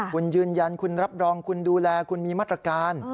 คุณยืนยันคุณรับรองคุณดูแลคุณมีมาตรการ